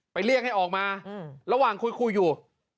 เรียกให้ออกมาระหว่างคุยอยู่